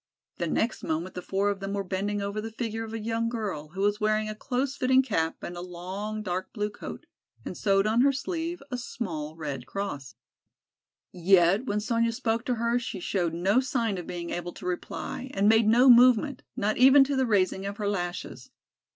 The next moment the four of them were bending over the figure of a young girl, who was wearing a close fitting cap and a long dark blue coat, and sewed on her sleeve a small Red Cross. Yet when Sonya spoke to her, she showed no sign of being able to reply and made no movement, not even to the raising of her lashes.